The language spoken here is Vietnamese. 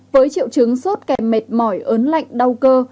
với triệu chứng sốt kèm mệt mỏi ớn lạnh đau cơ